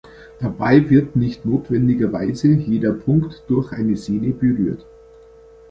Dabei wird nicht notwendigerweise jeder Punkt durch eine Sehne berührt.